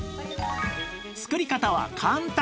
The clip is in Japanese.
作り方は簡単！